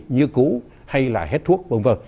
như cũ hay là hết thuốc v v